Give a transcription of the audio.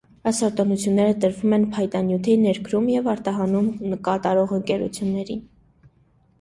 Այս արտոնությունները տրվում են փայտանյութի ներկրում և արտահանում կատարող ընկերություններին։